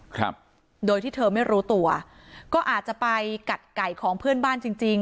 ครับโดยที่เธอไม่รู้ตัวก็อาจจะไปกัดไก่ของเพื่อนบ้านจริงจริง